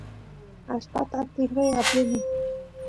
allpata tikray apini